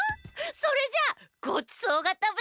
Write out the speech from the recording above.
それじゃごちそうがたべたい！